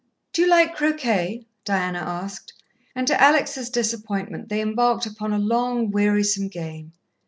"Do you like croquet?" Diana asked, and to Alex' disappointment they embarked upon a long, wearisome game.